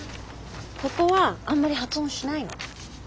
ここはあんまり発音しないの。